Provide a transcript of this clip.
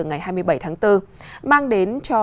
ngày hai mươi bảy tháng bốn mang đến cho